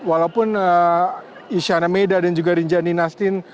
walaupun isyana meidarin dan juga riny jalini nastin